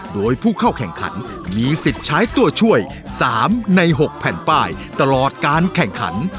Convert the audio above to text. โดยผู้เข้าแข่งขันมีสิทธิ์ใช้ตัวช่วย๓ใน๖แผ่นป้ายตลอดการแข่งขัน